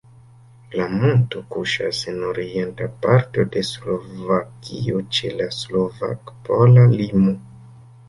La monto kuŝas en orienta parto de Slovakio ĉe la slovak-pola limo.